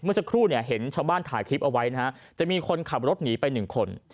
เมื่อสักครู่เห็นชาวบ้านถ่ายคลิปเอาไว้จะมีคนขับรถหนีไป๑คน